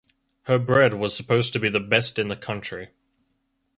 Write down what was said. Her bread was supposed to be the best in the country.